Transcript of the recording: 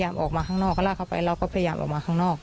ออกมาข้างนอกก็ลากเขาไปเราก็พยายามออกมาข้างนอก